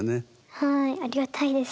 はいありがたいです。